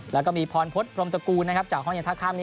แล้วก็มีพรพฤษพรมตระกูลจากห้องยังท่าข้ามนี้